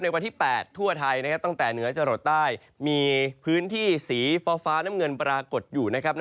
วันที่๘ทั่วไทยตั้งแต่เหนือจรดใต้มีพื้นที่สีฟ้าน้ำเงินปรากฏอยู่นะครับ